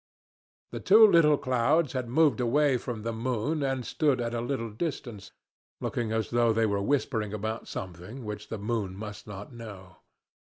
The two little clouds had moved away from the moon and stood at a little distance, looking as though they were whispering about something which the moon must not know.